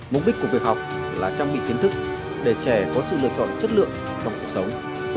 mục đích của việc học là trang bị kiến thức để trẻ có sự lựa chọn chất lượng trong cuộc sống